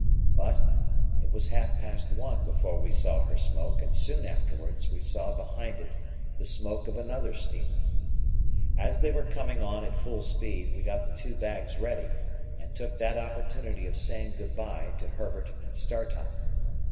But, it was half past one before we saw her smoke, and soon afterwards we saw behind it the smoke of another steamer. As they were coming on at full speed, we got the two bags ready, and took that opportunity of saying good bye to Herbert and Startop.